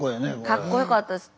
かっこよかったです。